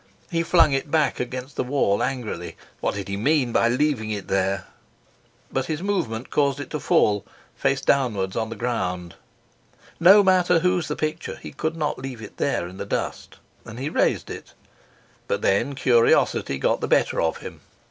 He flung it back against the wall angrily what did he mean by leaving it there? but his movement caused it to fall, face downwards, on the ground. No mater whose the picture, he could not leave it there in the dust, and he raised it; but then curiosity got the better of him.